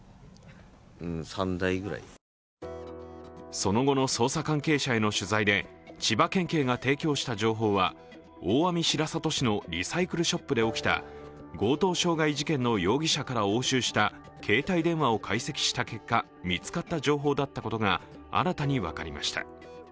その後の捜査関係者への取材で千葉県警が提供した情報は大網白里市のリサイクルショップで起きた強盗傷害事件の容疑者から押収した携帯電話を解析した結果見つかった情報だったことが新たに分かりました。